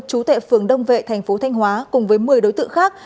chú tệ phường đông vệ thành phố thanh hóa cùng với một mươi đối tượng khác